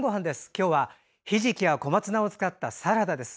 今日は、ひじきや小松菜を使ったサラダです。